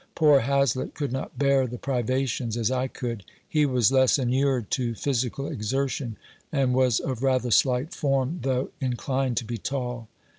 Poor Hazlett could not bear the privations as I could ; he was less inured to physical exertion, and was of rather slight form, though in clined to be tall.